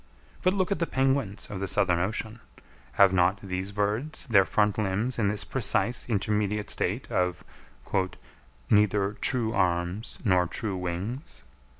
But look at the penguins of the Southern Ocean; have not these birds their front limbs in this precise intermediate state of "neither true arms nor true wings?"